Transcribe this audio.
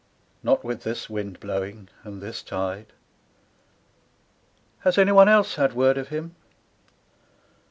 Not with this wind blowing, and this tide, 'Has any one else had word of him